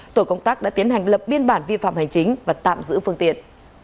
tổ công tác đã tiến hành lập biên bản vi phạm hành chính và tạm giữ phương tiện